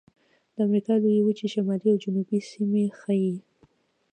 د امریکا لویې وچې شمالي او جنوبي سیمې ښيي.